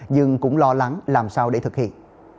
nhưng cũng lo lắng làm sao để thực hiện